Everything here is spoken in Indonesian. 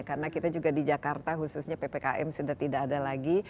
karena kita juga di jakarta khususnya ppkm sudah tidak ada lagi